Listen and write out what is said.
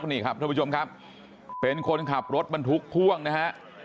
คนนี้ครับคุณผู้ชมครับเป็นคนขับรถมันทุกข์พ่วงนะครับ